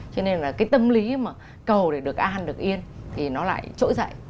cho nên là cái tâm lý mà cầu này được an được yên thì nó lại trỗi dậy